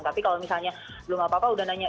tapi kalau misalnya belum apa apa udah nanya